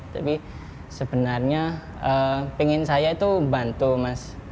tapi sebenarnya pengen saya itu bantu mas